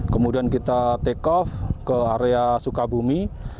kemudian kita take off ke area sukabumi